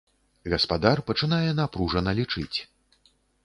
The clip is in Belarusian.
Гаспадар пачынае напружана лічыць.